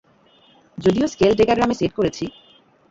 যদিও স্কেল ডেকাগ্রামে সেট করেছি।